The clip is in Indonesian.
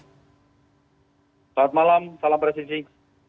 selamat malam salam presiden